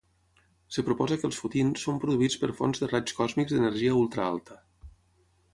Es proposa que els fotins són produïts per fonts de raigs còsmics d'energia ultra alta.